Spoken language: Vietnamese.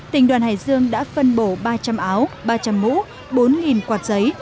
tỉnh đoàn hải dương đã phân bổ ba trăm linh áo ba trăm linh mũ bốn quạt giấy